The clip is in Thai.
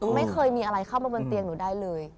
ไม่เคยมีอะไรเข้ามาบนเตียงหนูได้เลย